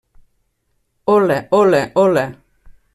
Hola, hola, hola.